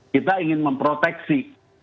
kita ingin memproteksi